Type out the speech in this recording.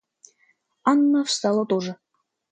Анна встала тоже.